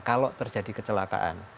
kalau terjadi kecelakaan